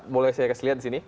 mulai saya kasih lihat di sini